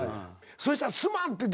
そしたらすまんって。